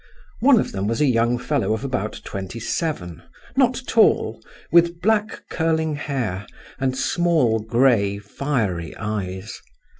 One of them was a young fellow of about twenty seven, not tall, with black curling hair, and small, grey, fiery eyes.